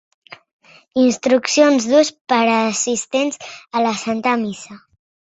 Instruccions d'ús per a assistents a la santa missa.